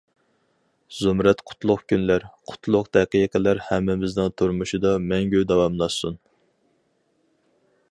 زۇمرەت قۇتلۇق كۈنلەر، قۇتلۇق دەقىقىلەر ھەممىمىزنىڭ تۇرمۇشىدا مەڭگۈ داۋاملاشسۇن!